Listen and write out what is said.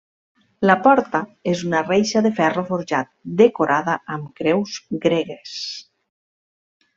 La porta és una reixa de ferro forjat decorada amb creus gregues.